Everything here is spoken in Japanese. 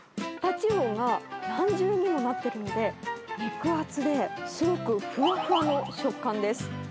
太刀魚が何重にもなってるので、肉厚ですごくふわふわの食感です。